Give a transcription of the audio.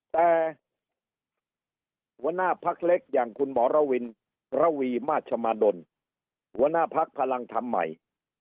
แต่หัวหน้าพักเล็กอย่างคุณหมอระวินระวีมาชมาดลหัวหน้าพักพลังธรรมใหม่